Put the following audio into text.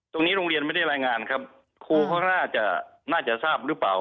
ตรงนี้โรงเรียนไม่ได้รายงานครับครูเขาน่าจะทราบหรือเปล่า